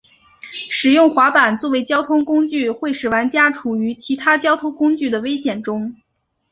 使用滑板作为交通工具会使玩家处于其他交通工具的危险中。